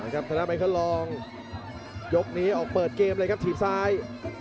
ครับทางด้านไมเคิลลองยกนี้ออกเปิดเกมเลยครับทีบซ้าย